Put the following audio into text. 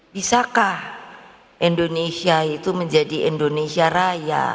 bisakah indonesia itu menjadi indonesia raya